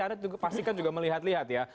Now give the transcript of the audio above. anda pastikan juga melihat lihat ya